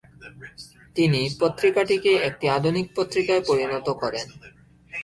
তিনি পত্রিকাটিকে একটি আধুনিক পত্রিকায় পরিণত করেন ।